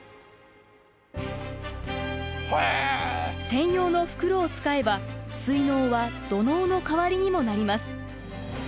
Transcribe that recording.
専用の袋を使えば水のうは土嚢の代わりにもなります。